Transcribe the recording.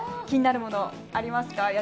気になるもの、ありますか？